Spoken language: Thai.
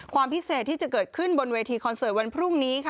ความพิเศษที่จะเกิดขึ้นบนเวทีคอนเสิร์ตวันพรุ่งนี้ค่ะ